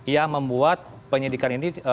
yang membuat penyelidikan ini